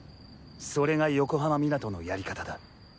それが横浜湊のやり方だ。